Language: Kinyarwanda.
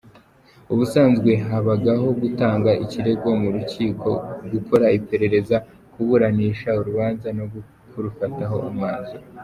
Ubusanzwe habagaho gutanga ikirego mu rukiko, gukora iperereza, kuburanisha urubanza no kurufataho umwanzuro.